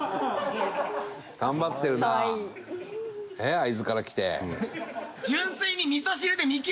会津から来て。